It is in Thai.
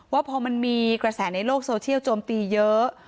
ว่าพอมันมีกระแสในโลกโซเชียลโจมตีเยอะ